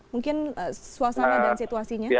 mungkin suasana dan situasinya